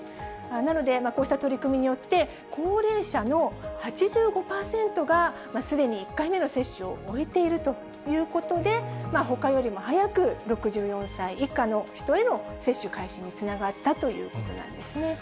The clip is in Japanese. なので、こうした取り組みによって、高齢者の８５％が、すでに１回目の接種を終えているということで、ほかよりも早く、６４歳以下の人への接種開始につながったということなんですね。